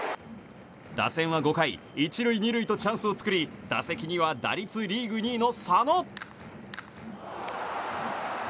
打線は５回、１塁２塁とチャンスを作り打席には打率リーグ２位の佐野！